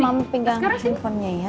mamu pegang telfonnya ya